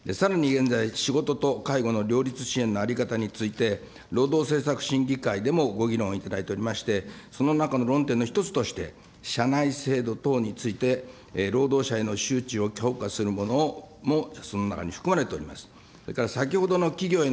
さらに現在、仕事と介護の両立支援の在り方について、労働政策審議会でもご議論いただいておりまして、その中の論点の一つとして、社内制度等について、労働者への周知を強化するものもその中含まれております。